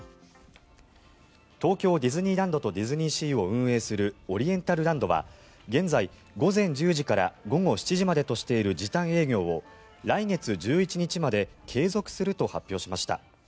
東京ディズニーランドとディズニーシーを運営するオリエンタルランドは現在、午前１０時から午後７時までとしている時短営業を来月１１日まで継続すると発表しました。